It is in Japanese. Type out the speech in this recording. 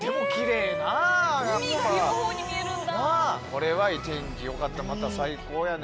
これは天気良かったらまた最高やね。